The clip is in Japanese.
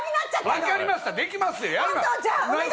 分かりました、できますよ。